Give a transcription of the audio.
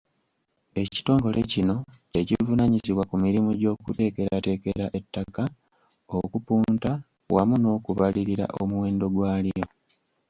Ekitongole kino kye kivunaanyizibwa ku mirimu gy’okuteekerateekera ettaka, okupunta wamu n’okubalirira omuwendo gwalyo.